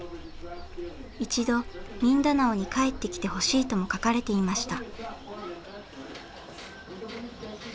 一度ミンダナオに帰ってきてほしいとも書かれていました。